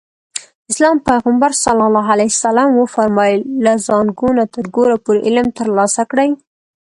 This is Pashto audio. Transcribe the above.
د اسلام پيغمبر ص وفرمايل له زانګو نه تر ګوره پورې علم ترلاسه کړئ.